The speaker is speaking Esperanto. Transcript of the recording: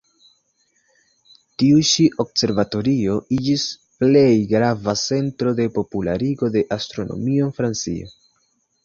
Tiu-ĉi observatorio iĝis plej grava centro de popularigo de astronomio en Francio.